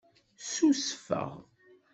Ssusfeɣ.